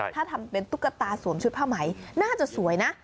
ถ้าทำเป็นตุ๊กตาสวมชุดผ้าไหมน่าจะสวยนะ